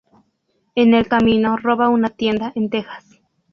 En el camino roba una tienda en Texas.